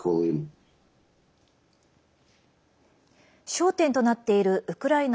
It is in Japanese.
焦点となっているウクライナ